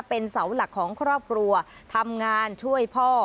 เป็นเสาหลักของครอบครัวทำงานช่วยพ่อ